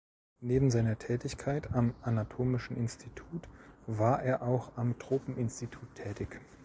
Neben seiner Tätigkeit am Anatomischen Institut war er auch am Tropeninstitut tätig.